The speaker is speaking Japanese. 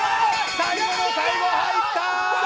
最後の最後、入った！